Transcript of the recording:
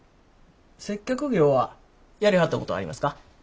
接客業はやりはったことありますか？